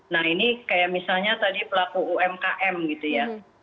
nah ini kayak misalnya tadi pelaku umkm gitu ya